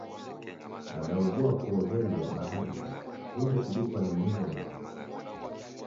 Nadaobua kuoghelia baharinyi, sikunde kudukwa ni mivomivo.